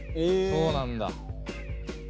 そうなんだ。